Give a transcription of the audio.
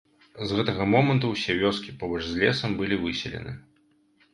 З гэтага моманту ўсе вёскі побач з лесам былі выселены.